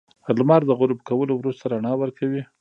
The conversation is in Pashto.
• لمر د غروب کولو وروسته رڼا ورکوي.